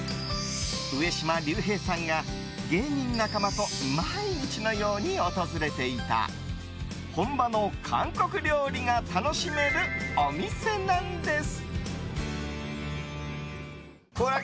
上島竜兵さんが芸人仲間と毎日のように訪れていた本場の韓国料理が楽しめるお店なんです。